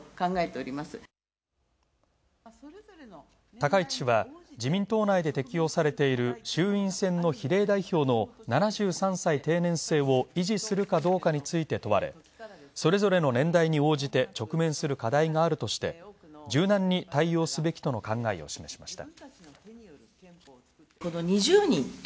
高市氏は、自民党内で適用されている衆院選の比例代表の「７３歳定年制」を維持するかどうかについて問われ「それぞれの年代に応じて直面する課題がある」として柔軟に対応すべきとの考えを示しました。